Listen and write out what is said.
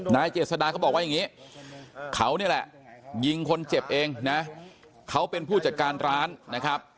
เจษดาเขาบอกว่าอย่างนี้เขานี่แหละยิงคนเจ็บเองนะเขาเป็นผู้จัดการร้านนะครับ